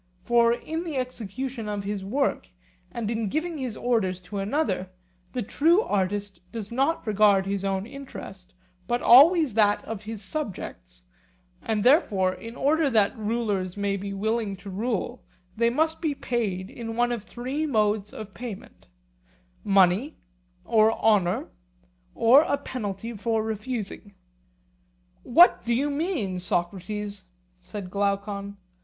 For, in the execution of his work, and in giving his orders to another, the true artist does not regard his own interest, but always that of his subjects; and therefore in order that rulers may be willing to rule, they must be paid in one of three modes of payment, money, or honour, or a penalty for refusing. What do you mean, Socrates? said Glaucon.